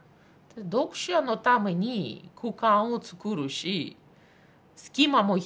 読者のために空間をつくるし隙間も必要で。